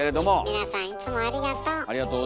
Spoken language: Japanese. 皆さんいつもありがとう。